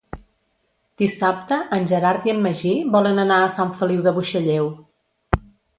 Dissabte en Gerard i en Magí volen anar a Sant Feliu de Buixalleu.